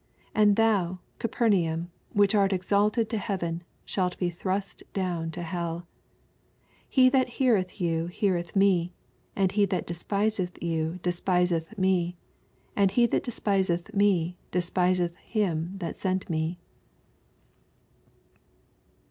15 And thou, Capernaum, which art exalted to heaven, shalt be thrust down to hell. 16 He that heareth you heareth me ; and he that despiseth you despi seth me. and he that despisetJi me de spiseth him that sent me.